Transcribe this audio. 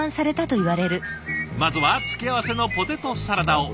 まずは付け合わせのポテトサラダを。